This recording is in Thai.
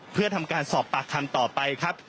เพื่อทำการสอบปากคำต่อไปครับ